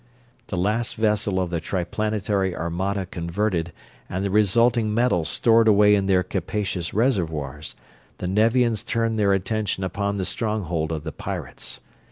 The last vessel of the Triplanetary armada converted and the resulting metal stored away in their capacious reservoirs, the Nevians turned their attention upon the stronghold of the pirates.